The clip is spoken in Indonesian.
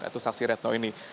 yaitu saksi retno ini